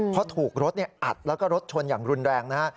เพราะถูกรถอัดแล้วก็รถชนอย่างรุนแรงนะฮะ